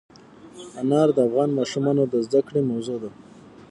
انار د افغان ماشومانو د زده کړې موضوع ده.